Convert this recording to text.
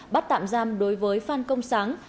bắt tạm giam đối với phan công sáng